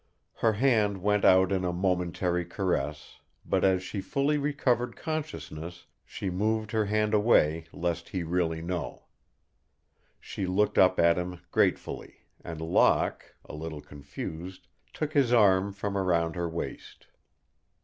Her hand went out in a momentary caress, but as she fully recovered consciousness she moved her hand away lest he really know. She looked up at him gratefully, and Locke, a little confused, took his arm from around her waist.